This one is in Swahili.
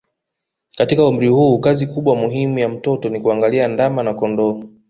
Katika umri huu kazi kubwa muhimu ya mtoto ni kuangalia ndama na kondoo